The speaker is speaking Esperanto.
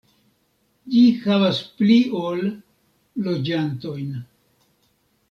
Ĝi havas pli ol loĝantojn.